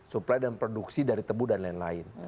supply dan produksi dari tebu dan lain lain